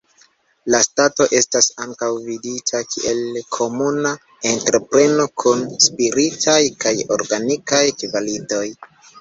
La stato estas ankaŭ vidita kiel komuna entrepreno kun spiritaj kaj organikaj kvalitoj.